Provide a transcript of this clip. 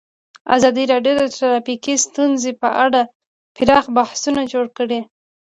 ازادي راډیو د ټرافیکي ستونزې په اړه پراخ بحثونه جوړ کړي.